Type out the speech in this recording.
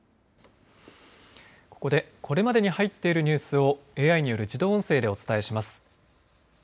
ここでこれまでに入っているニュースをＡＩによる自動音声でお伝えします。